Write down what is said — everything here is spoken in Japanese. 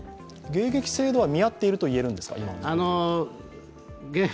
迎撃精度は見合ってるといえるんですか？